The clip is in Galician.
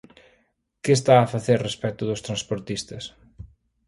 ¿Que está a facer respecto dos transportistas?